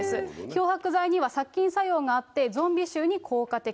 漂白剤には殺菌作用があって、ゾンビ臭に効果的。